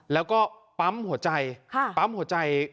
แล้วก็ปั๊มหัวใจ